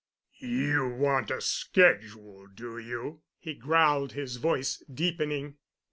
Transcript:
"You want a schedule, do you?" he growled, his voice deepening.